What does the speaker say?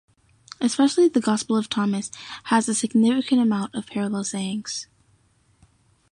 Especially the "Gospel of Thomas" has a significant amount of parallel sayings.